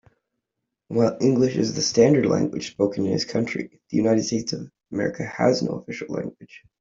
While English is the standard language spoken in his country, the United States of America has no official language.